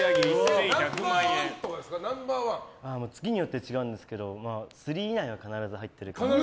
ナンバー１？月によって違うんですけど３以内には必ず入ってるかな。